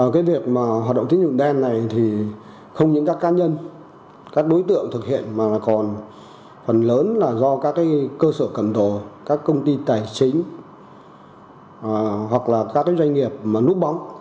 cái việc mà hoạt động tín dụng đen này thì không những các cá nhân các đối tượng thực hiện mà còn phần lớn là do các cơ sở cầm thổ các công ty tài chính hoặc là các doanh nghiệp mà núp bóng